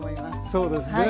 そうですね。